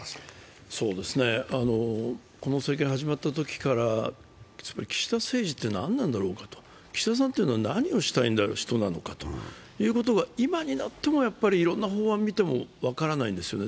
この政権始まったときから岸田政治って何なんだろうかと岸田さんというのは何をしたい人なんだろうかというのが今になってもやっぱりいろんな法案を見ても分からないんですよね。